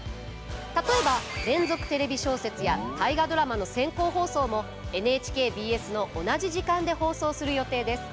例えば「連続テレビ小説」や「大河ドラマ」の先行放送もＮＨＫＢＳの同じ時間で放送する予定です。